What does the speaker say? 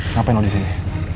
ngapain lo disini